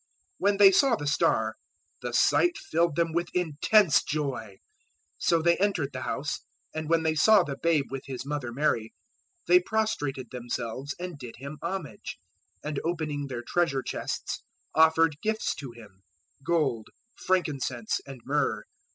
002:010 When they saw the star, the sight filled them with intense joy. 002:011 So they entered the house; and when they saw the babe with His mother Mary, they prostrated themselves and did Him homage, and opening their treasure chests offered gifts to Him gold, frankincense, and myrrh.